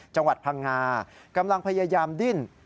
จังหวัดพังงากำลังพยายามดิ้น